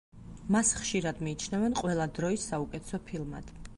მას ხშირად მიიჩნევენ ყველა დროის საუკეთესო ფილმად.